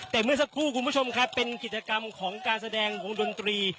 แต่เมื่อสักครู่คุณผู้ชมครับเป็นกิจกรรมของการแสดงวงดนตรี